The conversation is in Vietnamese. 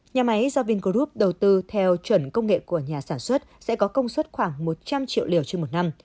nhà máy do vingroup đầu tư theo chuẩn công nghệ của nhà sản xuất sẽ có công suất khoảng một trăm linh triệu liều trên một năm